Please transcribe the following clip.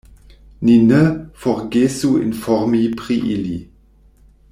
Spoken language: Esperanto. Ni ne forgesu informi pri ili!